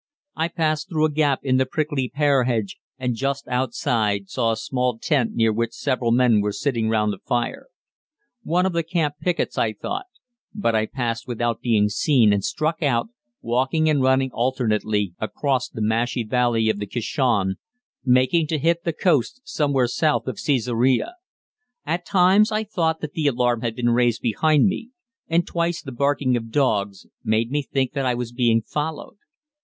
I passed through a gap in the prickly pear hedge, and just outside saw a small tent near which several men were sitting round a fire. One of the camp pickets I thought; but I passed without being seen and struck out, walking and running alternately, across the marshy valley of the Kishon, making to hit the coast somewhat south of Cæsarea. At times I thought that the alarm had been raised behind me, and twice the barking of dogs made me think that I was being followed.